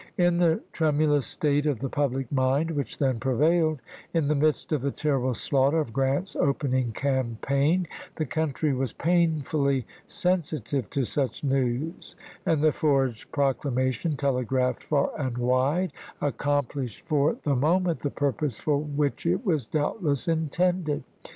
In the tremulous state of the public mind which then prevailed, in the midst of the terrible slaughter of Grant's opening campaign, the country was painfully sen sitive to such news, and the forged proclamation, telegraphed far and wide, accomplished for the moment the purpose for which it was doubtless intended.